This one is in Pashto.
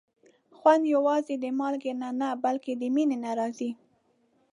خوند یوازې د مالګې نه، بلکې د مینې نه راځي.